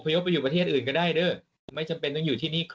ลูกศิษย์ไม่มาเลย